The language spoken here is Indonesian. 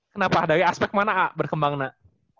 kenapa dari aspek mana berkembang nak